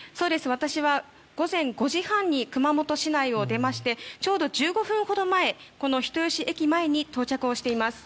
私は午前５時半に熊本市内を出ましてちょうど１５分前にこの人吉駅前に到着しています。